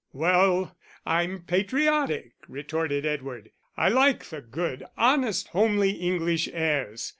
"Well, I'm patriotic," retorted Edward. "I like the good, honest, homely English airs.